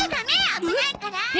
危ないから！